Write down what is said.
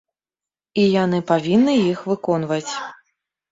І яны павінны іх выконваць.